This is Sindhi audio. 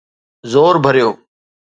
زور ڀريو،